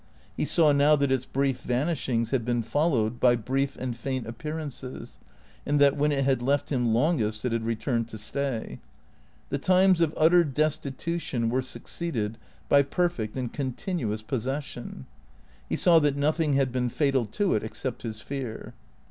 He saw now that its brief vanishings had been followed by brief and faint appearances, and that when it had left him longest it had returned to stay. The times of utter destitution were succeeded by perfect and continuous possession. He saw that nothing had been fatal to it except his fear.